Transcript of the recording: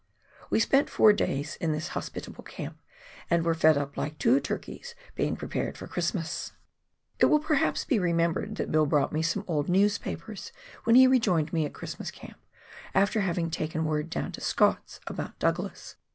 We spent four days in this hospitable camp, and were fed up like two turkeys being prepared for Christ mas! LANDSBOROUGH EIVER. 223 It will perhaps be remembered that Bill brought me some old newspapers, when he rejoined me at Christmas Camp, after having taken word down to Scott's about Douglas.